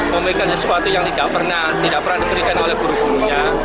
memiliki sesuatu yang tidak pernah diberikan oleh guru guru